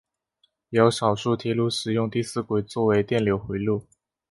也有少数铁路使用第四轨作为电流回路。